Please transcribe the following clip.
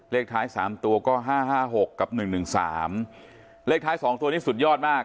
เลขท้ายสามตัวก็ห้าห้าหกกับหนึ่งหนึ่งสามเลขท้ายสองตัวนี้สุดยอดมาก